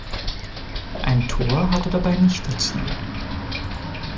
Ein Tor hat er dabei nicht erzielt.